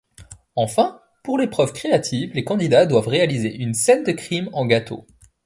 Enfin, pour l'épreuve créative, les candidats doivent réaliser une scène de crime en gâteau.